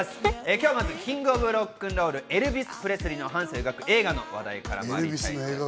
今日はまずキング・オブ・ロックンロール、エルヴィス・プレスリーの半生を描く映画の話題からまいります。